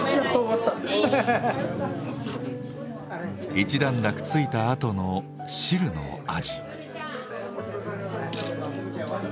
一段落ついたあとの汁の味。